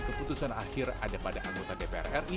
keputusan akhir ada pada anggota dpr ri